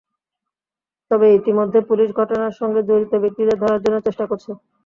তবে ইতিমধ্যে পুলিশ ঘটনার সঙ্গে জড়িত ব্যক্তিদের ধরার জন্য চেষ্টা করছে।